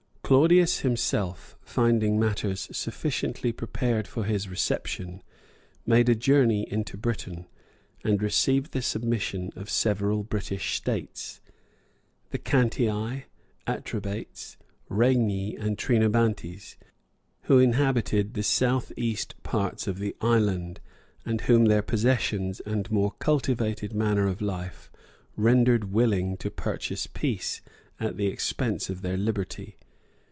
Claudius himself, finding matters sufficiently prepared for his reception, made a journey into Britain, and received the submission of several British states, the Cantii, Atrebates, Regni, and Trinobantes, who inhabited the south east parts of the island, and whom their possessions and more cultivated manner of life rendered willing to purchase peace at the expense of their liberty.